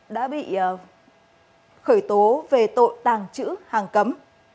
đã bị khởi tố về tội tàng trữ hàng cấm